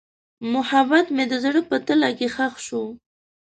محبت مې د زړه په تله کې ښخ شو.